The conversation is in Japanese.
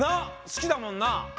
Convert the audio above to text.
好きだもんな？